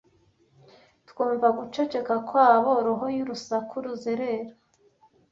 twumva mu guceceka kwabo roho y'urusaku ruzerera